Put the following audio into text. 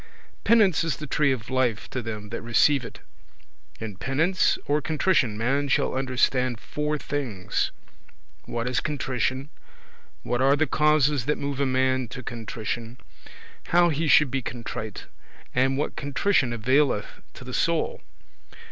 Penance is the tree of life to them that receive it. In penance or contrition man shall understand four things: what is contrition; what are the causes that move a man to contrition; how he should be contrite; and what contrition availeth to the soul.